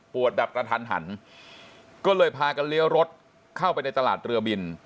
แบบกระทันหันก็เลยพากันเลี้ยวรถเข้าไปในตลาดเรือบิน